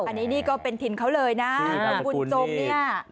อันนี้ก็เป็นถิ่นเขาเลยนะบุญจงนี่